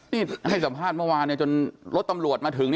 นี่ให้สัมภาษณ์เมื่อวานจนรถตำรวจมาถึง